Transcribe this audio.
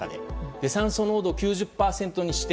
酸素濃度９０％にして